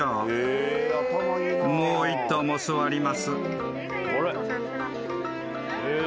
［もう１頭も座ります］